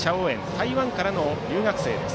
台湾からの留学生です。